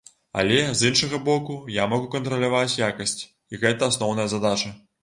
Але, з іншага боку, я магу кантраляваць якасць, і гэта асноўная задача.